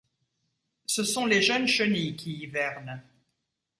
Ce sont les jeunes chenilles qui hivernent.